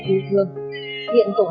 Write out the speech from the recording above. cách đây hơn một năm